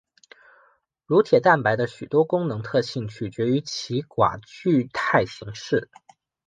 乳铁蛋白的许多功能特性取决于其寡聚态形式。